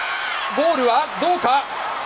ゴールはどうか。